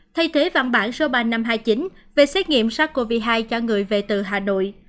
thay thế văn bản số ba nghìn năm trăm hai mươi chín về xét nghiệm sars cov hai cho người về từ hà nội